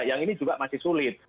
yang ini juga masih sulit